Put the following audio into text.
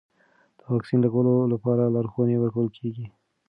د واکسین لګولو لپاره لارښوونې ورکول کېږي.